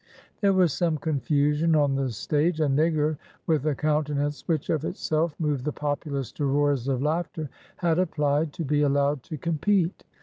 There was some confusion on the stage. A nigger, with a countenance which of itself moved the populace to roars of laughter, had applied to be allowed to compete.